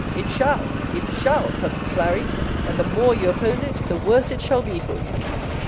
It shall, it shall, cousin Clary! And the more you oppose it, the worse it shall be for you.